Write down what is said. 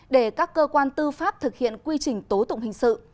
để các cơ quan tư pháp thực hiện quy trình tố tụng hình sự